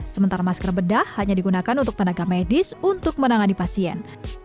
sementara masker bedah hanya digunakan untuk tenaga medis untuk menangani pasien